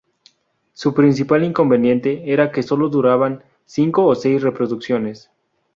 Su principal inconveniente era que solo duraban cinco o seis reproducciones.